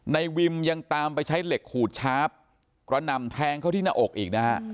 ในวิมยังตามไปใช้เหล็กขูดชาร์ฟกระหน่ำแทงเข้าที่หน้าอกอีกนะฮะ